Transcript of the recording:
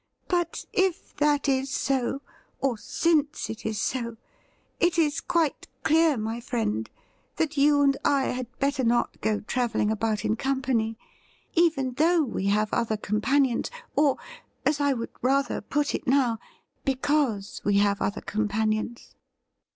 But if that is so, or since it is so, it is quite clear, my friend, that you and I had better not go travelling 'I COULD HAVE LOVED YOU' 113 about in company, even though we have other companions — or, as I would rather put it now, because we have other companions.'